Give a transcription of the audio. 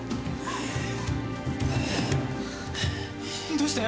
どうして？